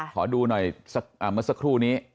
ขอดูหน่อยเมื่อสักครู่นี้